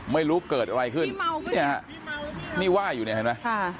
ไม่รู้เกิดอะไรขึ้นเนี่ยฮะไม่ว่าอยู่ไหนอ่ะ